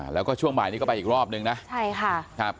แล้วก็ช่วงบ่ายนี้ไปอีกรอบนึงนะคะ